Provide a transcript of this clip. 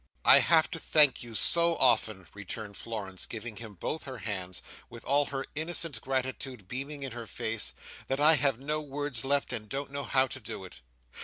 "I have to thank you so often," returned Florence, giving him both her hands, with all her innocent gratitude beaming in her face, "that I have no words left, and don't know how to do it."